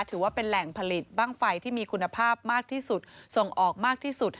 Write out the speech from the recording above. ถือว่าเป็นแหล่งผลิตบ้างไฟที่มีคุณภาพมากที่สุดส่งออกมากที่สุด